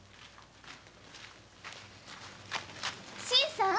新さん。